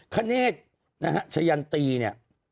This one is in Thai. คเนธนะฮะจริงเนี่ย